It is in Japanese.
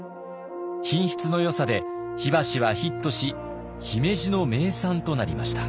品質のよさで火箸はヒットし姫路の名産となりました。